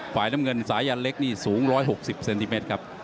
ฝ่ายน้ำเงินสายันเล็กนี่สูง๑๖๐เซนติเมตรครับ